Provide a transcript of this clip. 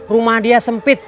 rumah dia sempit